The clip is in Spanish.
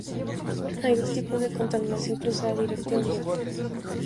Hay dos tipos de contaminación cruzada: directa e indirecta.